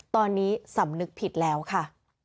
ตอนนี้สำนึกผิดแล้วค่ะ